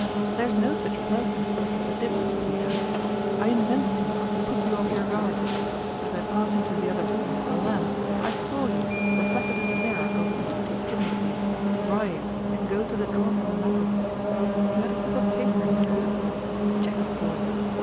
There is no such person as Professor Dibbs, Peter ; I invented him to put you off your guard. As I passed into the other room with the lamp, I saw you, reflected in the mir ror over the study chimneypiece, rise and go to the drawing room mantelpiece : you had a slip of paper in your hand a cheque, of course.